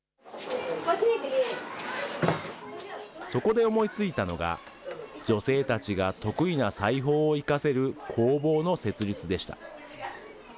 そこで思いついたのが、女性たちが得意な裁縫を生かせる工房の設立でした。